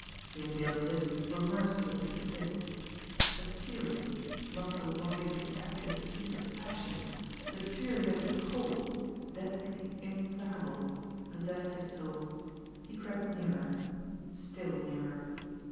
Jimmie Dale's lips were mercilessly thin; a fury, not the white, impetuous heat of passion, but a fury that was cold, deadly, implacable, possessed his soul. He crept nearer still nearer.